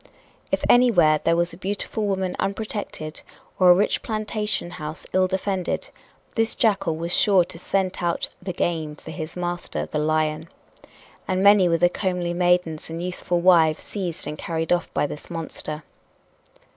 If anywhere there was a beautiful woman unprotected, or a rich plantation house ill defended, this jackal was sure to scent out "the game" for his master, the lion. And many were the comely maidens and youthful wives seized and carried off by this monster.